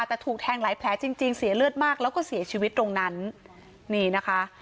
แต่ถูกแทงหลายแผลจริงจริงเสียเลือดมากแล้วก็เสียชีวิตตรงนั้นนี่นะคะ